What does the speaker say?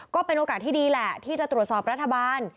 ก็เป็นโอกาสที่ดีแหละที่จะตรวจสอบรัฐบาล